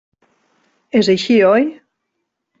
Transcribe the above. És així, oi?